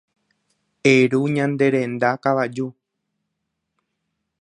Eru ñande renda kavaju.